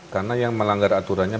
karena yang melanggar aturannya